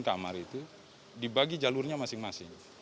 kamar itu dibagi jalurnya masing masing